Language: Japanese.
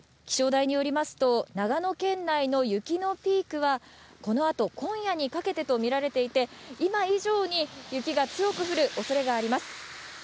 気象台によりますと、長野県内の雪のピークは、このあと今夜にかけてと見られていて、今以上に雪が強く降るおそれがあります。